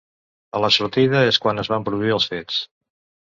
A la sortida és quan es van produir els fets.